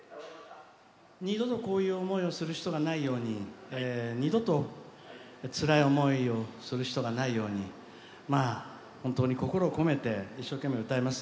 二度と、こういう思いをすることがないように二度とつらい思いをする人がないように本当に心を込めて一生懸命、歌います。